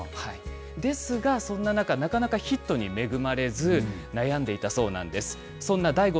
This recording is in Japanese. ですが、そんな中、なかなかヒットに恵まれず、悩んでいたそうなんです。